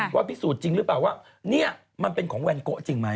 ว่าพิสูจน์จริงหรือเปล่าว่านี่มันเป็นของแวนโกะจริงไหม